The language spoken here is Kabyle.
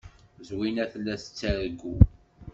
Zwina tella tettargu.